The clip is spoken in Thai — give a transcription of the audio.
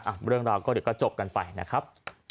เรื่องราวก็เดี๋ยวก็จบกันไปนะครับ